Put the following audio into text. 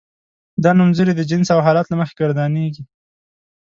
دا نومځري د جنس او حالت له مخې ګردانیږي.